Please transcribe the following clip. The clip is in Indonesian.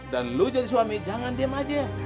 dan lu jadi suami jangan diem aja